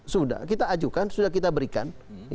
sudah kita ajukan sudah kita berikan